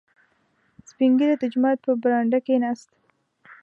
• سپین ږیری د جومات په برنډه کښېناست.